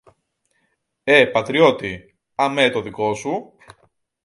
Ε, πατριώτη, αμέ το δικό σου;